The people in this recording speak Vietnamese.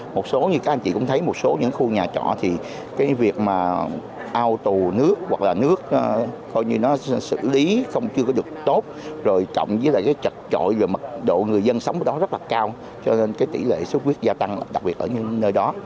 một số như các anh chị cũng thấy một số những khu nhà trọ thì cái việc mà ao tù nước hoặc là nước coi như nó xử lý không chưa có được tốt rồi cộng với lại cái trật trội rồi mật độ người dân sống ở đó rất là cao cho nên cái tỷ lệ sốt huyết gia tăng đặc biệt ở những nơi đó